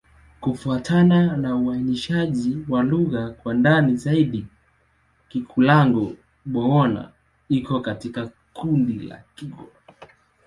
Kufuatana na uainishaji wa lugha kwa ndani zaidi, Kikulango-Bouna iko katika kundi la Kigur.